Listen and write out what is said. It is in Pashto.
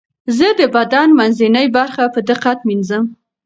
زه د بدن منځنۍ برخه په دقت مینځم.